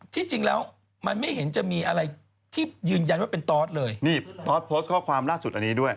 ที่จริงแล้วมันไม่เห็นจะมีอะไรที่ยืนยันว่าเป็นตอสเลยนี่ตอสโพสต์ข้อความล่าสุดอันนี้ด้วย